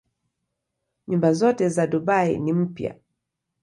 Nyumba zote za Dubai ni mpya.